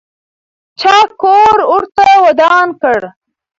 چا کور ورته ودان کړ؟